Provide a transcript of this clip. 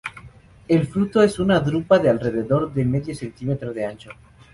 El fruto es una drupa de alrededor de medio centímetro de ancho.